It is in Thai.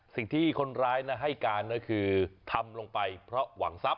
สิ่งที่คนร้ายให้การก็คือทำลงไปเพราะหวังทรัพย